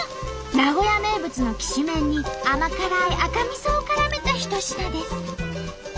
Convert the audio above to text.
名古屋名物のきしめんに甘辛い赤みそをからめた一品です。